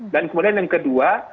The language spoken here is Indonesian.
dan kemudian yang kedua